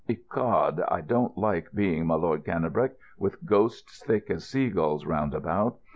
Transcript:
Ecod, I don't like being my Lord Cannebrake, with ghosts thick as seagulls round about.